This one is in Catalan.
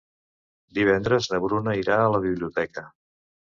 Divendres na Bruna irà a la biblioteca.